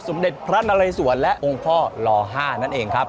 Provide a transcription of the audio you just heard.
สมเด็จพระนาเลยสวนและองค์พ่อลอห้านั่นเองครับ